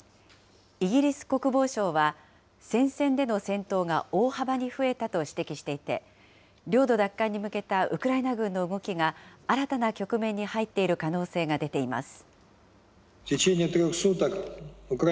イギリス国防省は、戦線での戦闘が大幅に増えたと指摘していて、領土奪還に向けたウクライナ軍の動きが、新たな局面に入っている可能性が出ています。